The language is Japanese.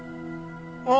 ああ！